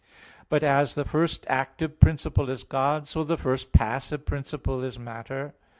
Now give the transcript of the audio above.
But as the first active principle is God, so the first passive principle is matter.